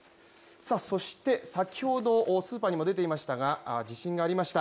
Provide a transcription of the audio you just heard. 先ほどスーパーにも出ていましたが地震がありました。